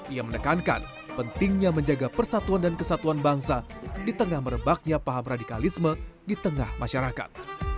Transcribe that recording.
ia menekankan pentingnya menjaga persatuan dan kesatuan bangsa di tengah merebaknya paham radikalisme di tengah masyarakat